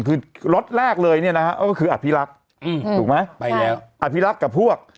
คือล็อตแรกเลยก็คืออภิรักษ์อภิรักษ์กับพวก